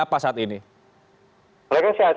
masyarakat yang terkena dampak dan kondisi kondisi